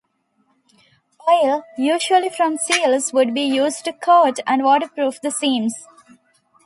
Oil, usually from seals, would be used to coat and waterproof the seams.